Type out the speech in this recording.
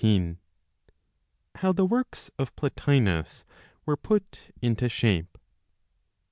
HOW THE WORKS OF PLOTINOS WERE PUT INTO SHAPE.